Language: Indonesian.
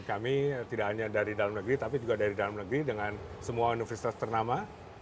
kami tidak hanya dari dalam negeri tapi juga dari dalam negeri dengan semua universitas ternama